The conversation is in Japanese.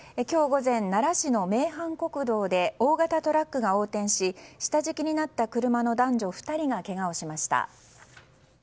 今日午前奈良市の名阪国道で大型トラックが横転し下敷きになった車の男女２人がけがをしました。